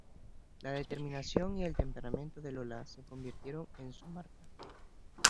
La determinación y el temperamento de Lola se convirtieron en su marca.